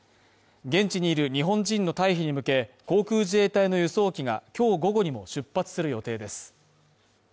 現地にいる日本人の退避に向け、航空自衛隊の輸送機が、今日午後にも出発する予定です。